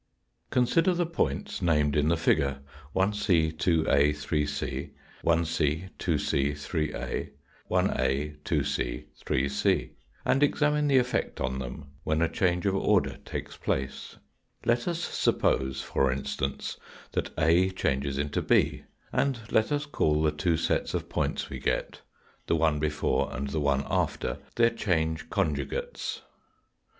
Consider the points named in the figure Ic, 2a, 3c ; Ic, 2c, 3a ; la, 2c, 3c, and examine the effect on them >32c3c w hen a change of order takes ( place. Let us suppose, for instance, that a changes into 6, and let us call the two sets of points we get, the one before and the one after, their change conjugates.